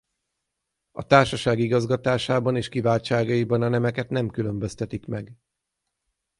A Társaság igazgatásában és kiváltságaiban a nemeket nem különböztetik meg.